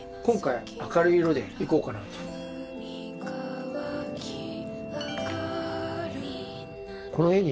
今回明るい色でいこうかなと。